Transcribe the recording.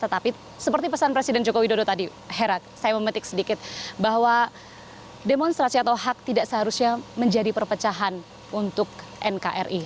tetapi seperti pesan presiden joko widodo tadi hera saya memetik sedikit bahwa demonstrasi atau hak tidak seharusnya menjadi perpecahan untuk nkri